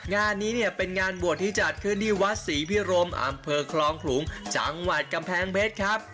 งานนี้เนี่ยเป็นงานบวชที่จัดขึ้นที่วัดศรีพิรมอำเภอคลองขลุงจังหวัดกำแพงเพชรครับ